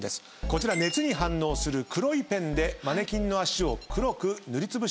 こちら熱に反応する黒いペンでマネキンの脚を黒く塗りつぶしております。